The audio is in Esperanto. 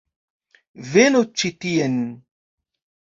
Venu ĉi tien!